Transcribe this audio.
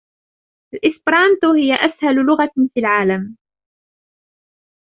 الإسبرانتو هي أسهل لغة في العالم.